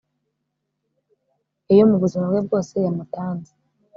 iyo mubuzima bwe bwose yamutanze